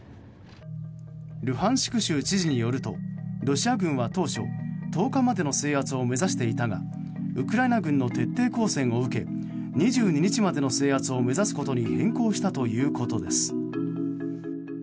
ルハンシク州知事によるとロシア軍は当初１０日までの制圧を目指していたがウクライナ軍の徹底抗戦を受け２２日までの制圧を目指すことに変更したということです。